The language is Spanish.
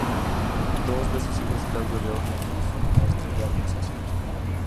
Dos de sus hijos Claudio León y Aquiles fueron maestros de armas asimismo.